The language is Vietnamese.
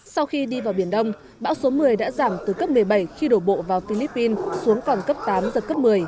sau khi đi vào biển đông bão số một mươi đã giảm từ cấp một mươi bảy khi đổ bộ vào philippines xuống còn cấp tám giật cấp một mươi